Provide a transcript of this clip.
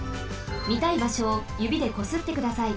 みたいばしょをゆびでこすってください。